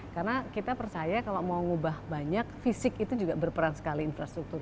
karena kita percaya kalau mau ngubah banyak fisik itu juga berperan sekali infrastruktur